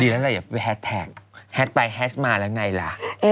เดี๋ยวเราจะไปแฮชแท็กแฮชไปแฮชมาแล้วไงล่ะ